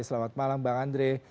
selamat malam bang andre